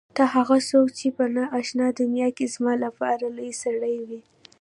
ته هغه څوک چې په نا آشنا دنیا کې زما لپاره لوى سړى وې.